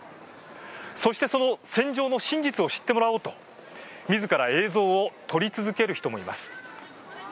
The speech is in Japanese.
そして、その戦場の真実を知ってもらおうとみずから映像を撮り続ける人もいます。